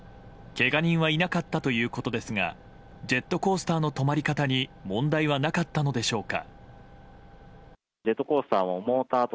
けが人はいなかったということですがジェットコースターの止まり方に問題はなかったのでしょうか。